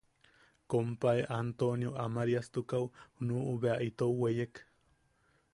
Kompae Antonio Amariastukaʼu nuʼu bea itou weyek.